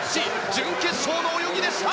準決勝の泳ぎでした！